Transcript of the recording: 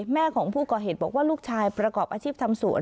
แม่ของผู้ก่อเหตุบอกว่าลูกชายประกอบอาชีพทำสวน